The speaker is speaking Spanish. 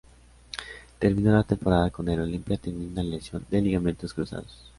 Terminó la temporada con el Olimpia, teniendo una lesión de ligamentos cruzados.